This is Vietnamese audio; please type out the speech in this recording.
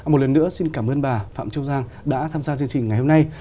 một lần nữa xin cảm ơn bà phạm châu giang đã tham gia chương trình ngày hôm nay